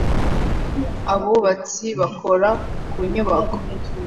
abubatsi bakora ku nyubako